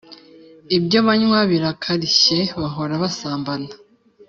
Ibyo banywa birakarishye bahora basambana